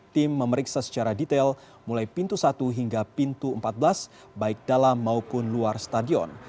tim memeriksa secara detail mulai pintu satu hingga pintu empat belas baik dalam maupun luar stadion